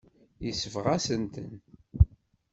Yesbeɣ-asen-ten.